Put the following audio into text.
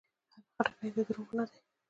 خټکی د دروغو نه ده.